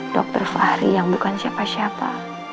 dokter fahri yang bukan siapa siapa